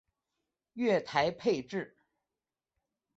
月台配置